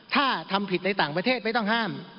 ถ้าทำผิดในต่างประเทศไม่ต้องห้าม